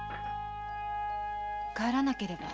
帰らなければ。